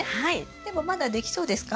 でもまだできそうですか？